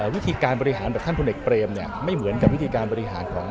วิธีการบริหารแบบท่านพลเอกเปรมไม่เหมือนกับวิธีการบริหารของ